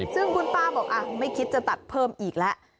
ซึ่งคุณป้าบอกไม่คิดจะตัดเพิ่มอีกแล้ว